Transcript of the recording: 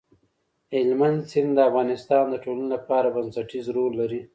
هلمند سیند د افغانستان د ټولنې لپاره بنسټيز رول لري.